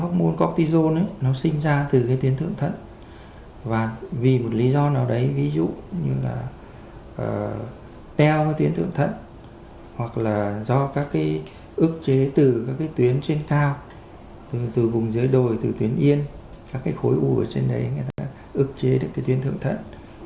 hormone cortisone sinh ra từ tuyến thượng thận vì một lý do nào đấy ví dụ như là đeo tuyến thượng thận hoặc là do các ức chế từ tuyến trên cao từ vùng dưới đồi từ tuyến yên các khối u ở trên đấy ức chế được tuyến thượng thận